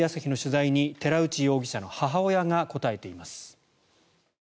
昨日の夜、テレビ朝日の取材に寺内容疑者の母親が答えています。